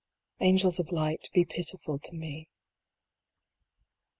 " Angels of light, be pitiful to me."